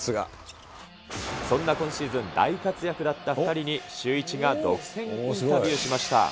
そんな今シーズン、大活躍だった２人に、シューイチが独占インタビューしました。